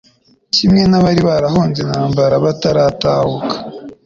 kimwe n'abari barahunze intambara baratahuka